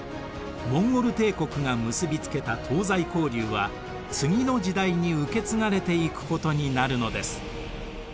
モンゴル帝国が結びつけた東西交流は次の時代に受け継がれていくことになるのです。